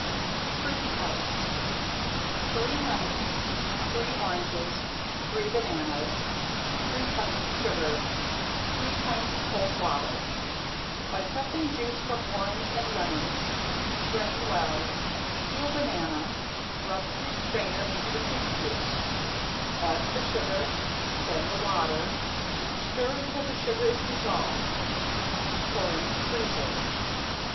~FRUIT ICE~ Three lemons, three oranges, three bananas, three cups sugar, three pints cold water, by pressing juice from orange and lemons, strain well, peel banana, rub through strainer into the fruit juice, add the sugar, then the water, stir until the sugar is dissolved, pour into freezer.